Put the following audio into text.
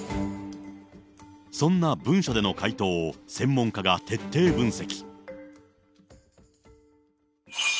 そんな文書での回答を専門家が徹底分析。